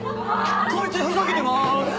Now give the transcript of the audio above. こいつふざけてます！